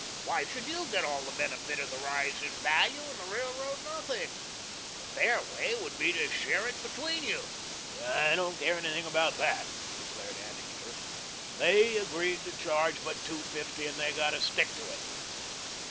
Why should you get all the benefit of the rise in value and the railroad nothing? The fair way would be to share it between you." "I don't care anything about that," declared Annixter. "They agreed to charge but two fifty, and they've got to stick to it."